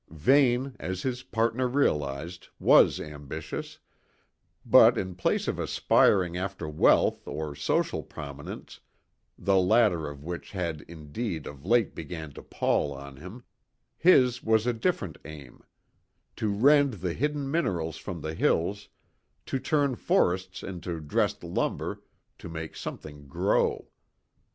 Vane, as his partner realised, was ambitious; but in place of aspiring after wealth or social prominence the latter of which had, indeed, of late began to pall on him his was a different aim; to rend the hidden minerals from the hills, to turn forests into dressed lumber, to make something grow.